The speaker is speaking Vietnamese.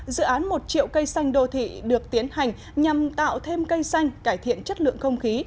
dự án một triệu cây xanh đô thị được tiến hành nhằm tạo thêm cây xanh cải thiện chất lượng không khí